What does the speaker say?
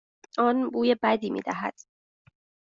آن بوی بدی میدهد.